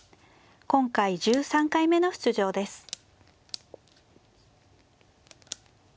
今回１３回目の出場です。